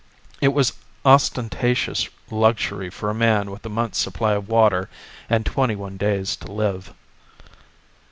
It was ostentatious luxury for a man with a month's supply of water and twenty one days to live.